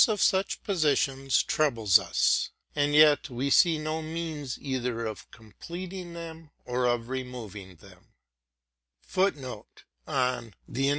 of such positions troubles us; and yet we see no means, either of completing them or of removing them.